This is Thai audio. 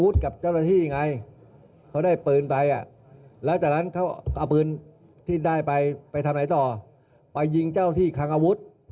ไปยิงเจ้าหน้าที่คลังอาวุธ